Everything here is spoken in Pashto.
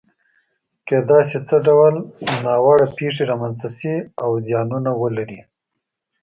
کېدای شي څه ډول ناوړه پېښې رامنځته شي او زیانونه ولري؟